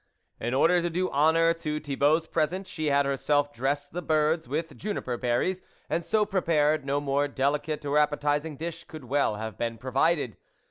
In order to do honour to Thibault's present, she had herself dressed the birds with juniper berries, and so prepared, no more delicate or appetising dish could well have been provided.